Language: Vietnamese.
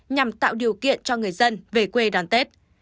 nhằm tạo điều kiện cho người dân về quê đón tết